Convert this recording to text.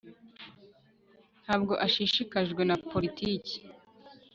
ntabwo ashishikajwe na politiki